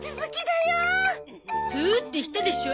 プってしたでしょ？